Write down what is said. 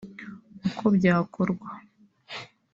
uko byakorwa